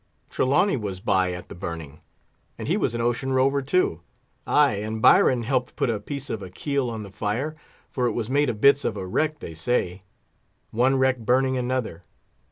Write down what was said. Trelawney was by at the burning; and he was an ocean rover, too! Ay, and Byron helped put a piece of a keel on the fire; for it was made of bits of a wreck, they say; one wreck burning another!